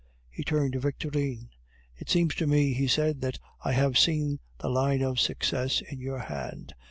He turned to Victorine. "It seems to me," he said, "that I have seen the line of success in your hand.